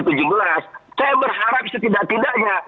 saya berharap setidak tidaknya